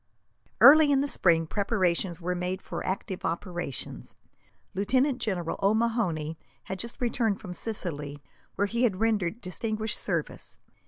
Early in the spring preparations were made for active operations. Lieutenant General O'Mahony had just returned from Sicily, where he had rendered distinguished service.